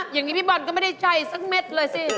อย่างนี้พี่บอลก็ไม่ได้ใช้สักเม็ดเลยสิ